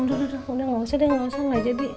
udah gak usah